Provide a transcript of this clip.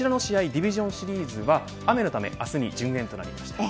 ディビジョンシリーズは雨のため明日に順延となりました